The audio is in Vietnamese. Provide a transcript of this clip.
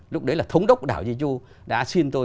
lúc đấy là thống đốc đảo jeju đã xin tôi